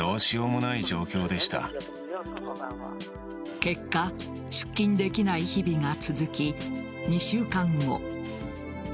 結果、出勤できない日々が続き２週間後。